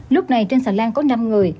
lúc này trên xà lan có năm người